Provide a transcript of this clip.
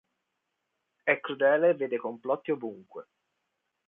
È crudele e vede complotti ovunque.